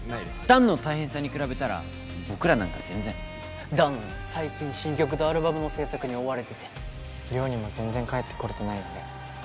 弾の大変さに比べたら僕らなんか全然弾最近新曲とアルバムの制作に追われてて寮にも全然帰ってこれてないよね